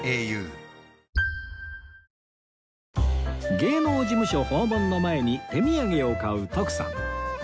芸能事務所訪問の前に手土産を買う徳さん